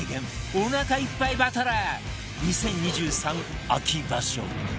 おなかいっぱいバトル２０２３秋場所